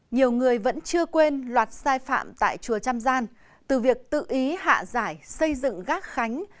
nhiều người vẫn chưa quên loạt sai phạm tại chùa trăm gian từ việc tự ý hạ giải xây dựng gác khánh